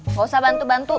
gak usah bantu bantu